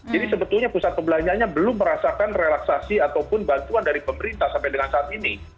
jadi sebetulnya pusat perbelanjanya belum merasakan relaksasi ataupun bantuan dari pemerintah sampai dengan saat ini